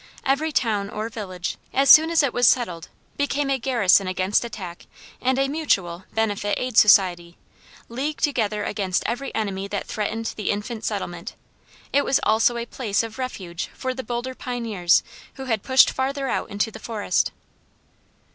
Every town or village, as soon as it was settled, became a garrison against attack and a mutual Benefit Aid Society, leagued together against every enemy that threatened the infant settlement; it was also a place of refuge for the bolder pioneers who had pushed farther out into the forest.